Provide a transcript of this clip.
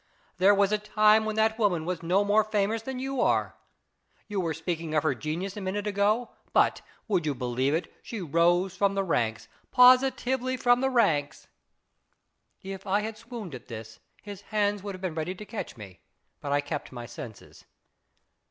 There was a time when that woman was no more famous than you are. You were speaking of her genius a minute ago, but, would you believe it, she rose from the ranks, positively from the ranks." If I had swooned at this, his hands would have been ready to catch me ; but I kept my senses.